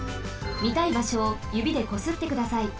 みたいばしょをゆびでこすってください。